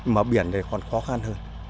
mà biển này còn khó khăn hơn